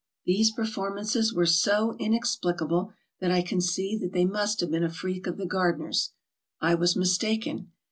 These performances were so inexplicable that I conceived that they must have been a freak of the gardener's. I was mistaken.